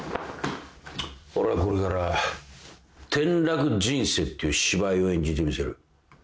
俺はこれから転落人生っていう芝居を演じてみせる